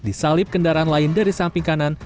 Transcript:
disalip kendaraan lain dari samping kanan